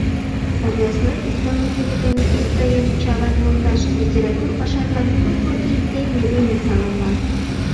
Областной исполнительный комитет тыйым, Чавайн йолташ, литератур пашатлан кумло ий темме дене саламла.